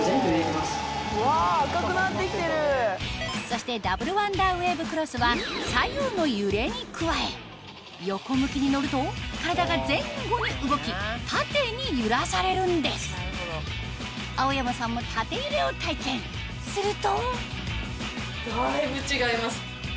そしてダブルワンダーウェーブクロスは左右の揺れに加え横向きに乗ると体が前後に動き縦に揺らされるんです青山さんも縦揺れを体験するとだいぶ違います。